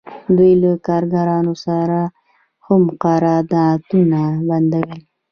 دوی له کارګرانو سره هم قراردادونه بندول